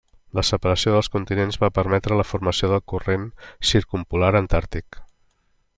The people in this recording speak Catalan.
La separació dels continents va permetre la formació del Corrent Circumpolar Antàrtic.